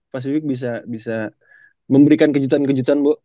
pacific bisa bisa memberikan kejutan kejutan bu